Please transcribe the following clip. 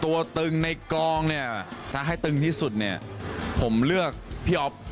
ตึงในกองเนี่ยถ้าให้ตึงที่สุดเนี่ยผมเลือกพี่อ๊อฟ